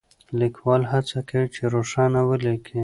ليکوال هڅه کوي چې روښانه وليکي.